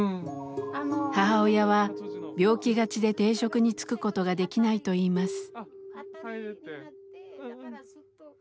母親は病気がちで定職に就くことができないといいます。